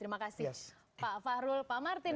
terima kasih pak fahrul pak martin